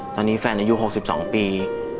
ตอนนี้แฟนอายุ๖๒ปี